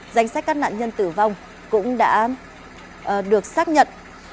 danh sách các nạn nhân tử vong cũng đã được xác nhận